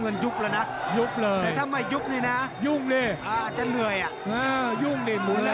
เปิดเกมเข้าโต้เขาขุมตีป่ำ